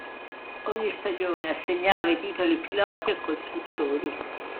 Ogni stagione assegnava i titoli piloti e costruttori.